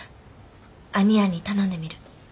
兄やんに頼んでみる。